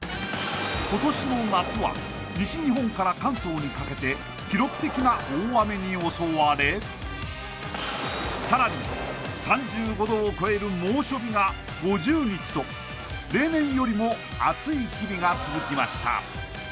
今年の夏は西日本から関東にかけて記録的な大雨に襲われさらに３５度を超える猛暑日が５０日と例年よりも暑い日々が続きました